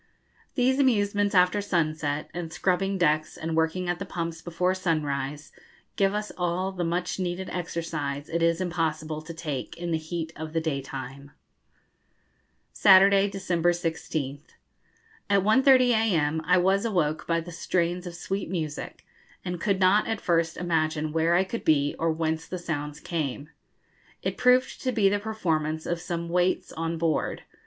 These amusements after sunset, and scrubbing decks and working at the pumps before sunrise, give us all the much needed exercise it is impossible to take in the heat of the daytime. [Illustration: Tattoo in the Tropics] Saturday, December 16th. At 1.30 a.m. I was awoke by the strains of sweet music, and could not at first imagine where I could be, or whence the sounds came. It proved to be the performance of some 'waits' on board.